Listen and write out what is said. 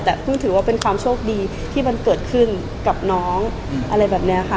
แต่เพิ่งถือว่าเป็นความโชคดีที่มันเกิดขึ้นกับน้องอะไรแบบนี้ค่ะ